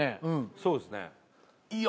そうですねいや